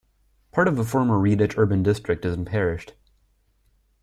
Part of the former Reditch Urban District is unparished.